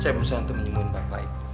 saya berusaha untuk menyembuhin mbak baik